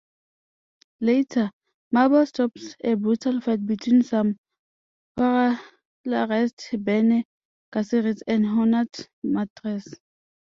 Later, Murbella stops a brutal fight between some polarized Bene Gesserits and Honored Matres.